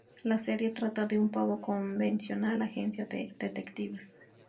La serie trata de una poco convencional agencia de detectives.